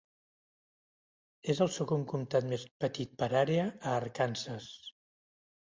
És el segon comtat més petit per àrea a Arkansas.